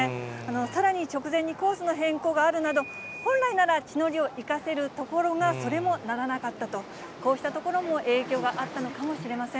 さらに直前にコースの変更があるなど、本来なら地の利を生かせるところが、それもならなかったと、こうしたところも影響があったのかもしれません。